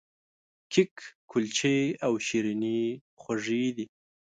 کیک، کلچې او شیریني خوږې دي.